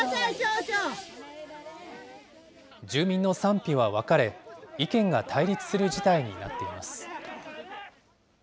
住民の賛否は分かれ、意見が対立する事態になっています。